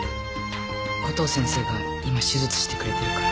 コトー先生が今手術してくれてるから。